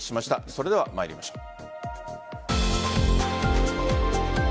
それでは参りましょう。